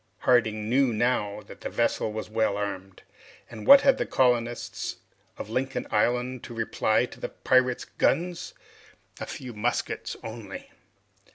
Harding knew now that the vessel was well armed. And what had the colonists of Lincoln Island to reply to the pirates' guns? A few muskets only.